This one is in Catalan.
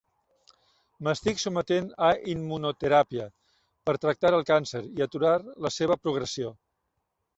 M'estic sometent a immunoteràpia per tractar el càncer i aturar la seva progressió.